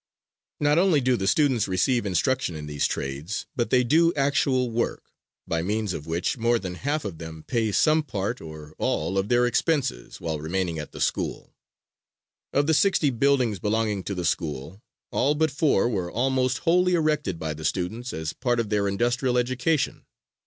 Not only do the students receive instruction in these trades, but they do actual work, by means of which more than half of them pay some part or all of their expenses while remaining at the school. Of the sixty buildings belonging to the school all but four were almost wholly erected by the students as a part of their industrial education.